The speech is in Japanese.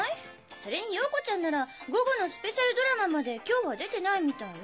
それにヨーコちゃんなら午後のスペシャルドラマまで今日は出てないみたいよ。